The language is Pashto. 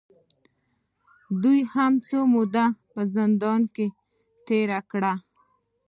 دوې هم څۀ موده پۀ زندان کښې تېره کړه